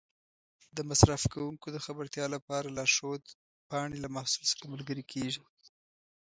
د مصرف کوونکو د خبرتیا لپاره لارښود پاڼې له محصول سره ملګري کېږي.